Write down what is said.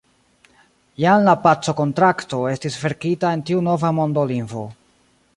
Jam la pacokontrakto estis verkita en tiu nova mondolingvo.